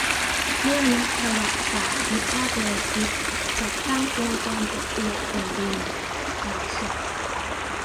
เมื่อนักประวัติศาสตร์ วิพากษ์แนวคิดจัดตั้ง "องค์กรเก็บขยะแผ่นดิน" : ข่าวสด